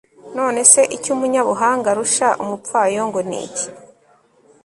none se icyo umunyabuhanga arusha umupfayongo ni iki